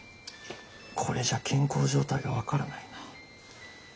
これじゃ健康状態が分からないな。